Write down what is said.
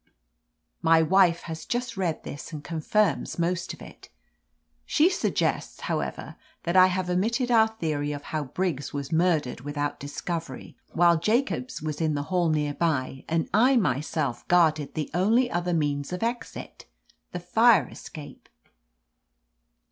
"My wife has just read this and confirms most of it. She suggests, however, that I have omitted our theory of how Briggs was murdered without discovery, while Jacobs was in the hall nearby and I myself guarded the only other means of exit, the fire escape.